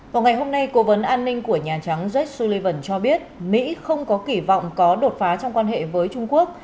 vào ngày hôm nay cố vấn an ninh của nhà trắng jack sullivan cho biết mỹ không có kỳ vọng có đột phá trong quan hệ với trung quốc